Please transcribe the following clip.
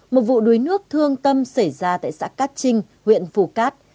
một vụ đuối nước thương tâm xảy ra tại xã cát trinh huyện phù cát